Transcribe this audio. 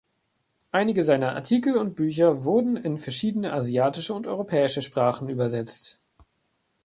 Einige seiner Artikel und Bücher wurden in verschiedene asiatische und europäische Sprachen übersetzt.